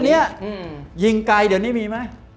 เจ้าเหรอยิงไกลเดี๋ยวนี้มีไหม